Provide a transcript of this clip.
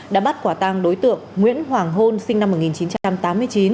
đã bắt quả tang đối tượng nguyễn hoàng hôn sinh năm một nghìn chín trăm tám mươi chín